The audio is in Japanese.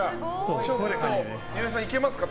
岩井さん、いけますか？